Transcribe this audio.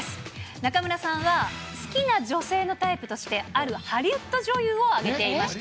中村さんは、好きな女性のタイプとして、あるハリウッド女優を挙げていました。